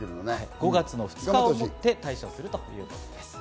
５月２日をもって退所するということです。